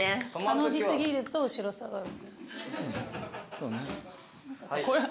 ハの字過ぎると後ろ下がる。